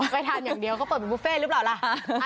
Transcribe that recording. ไปทานอย่างเดียวเขาเปิดเป็นบุฟเฟ่หรือเปล่าล่ะ